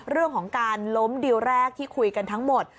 เรื่องของการล้มดิวแรกที่คุยกันทั้งหมด